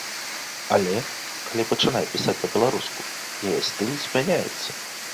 Але калі пачынае пісаць па-беларуску, яе стыль змяняецца.